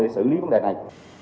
để xử lý vấn đề này